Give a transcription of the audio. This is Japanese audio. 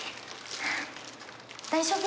大丈夫？